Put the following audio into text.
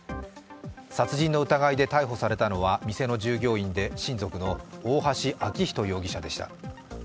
殺人の疑いで逮捕されたのは店の従業員で親族の大橋昭仁容疑者でした。